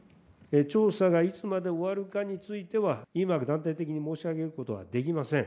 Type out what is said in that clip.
調査がいつまでに終わるかについては、今断定的に申し上げることはできません。